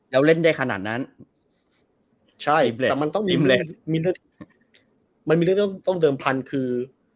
แล้วเล่นได้ขนาดนั้นใช่แต่มันต้องมีเรื่องมีเรื่องมันมีเรื่องต้องเติมพันคือ